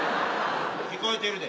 聞こえてるで。